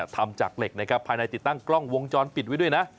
ทำจากเหล็กนะครับภายในติดตั้งกล้องวงจรปิดไว้ด้วยนะ